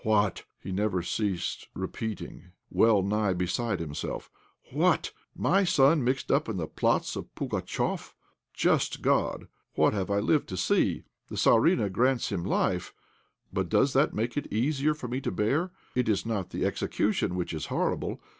"What!" he never ceased repeating, well nigh beside himself, "What! my son mixed up in the plots of Pugatchéf! Just God! what have I lived to see! The Tzarina grants him life, but does that make it easier for me to bear? It is not the execution which is horrible.